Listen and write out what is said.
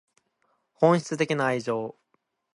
本質的な愛情